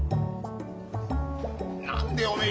何でえおめえ